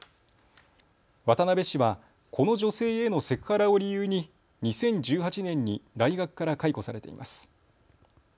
渡部氏はこの女性へのセクハラを理由に２０１８年に大学から解雇されています。